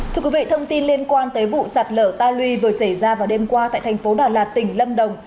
thưa quý vị thông tin liên quan tới vụ sạt lở ta luy vừa xảy ra vào đêm qua tại thành phố đà lạt tỉnh lâm đồng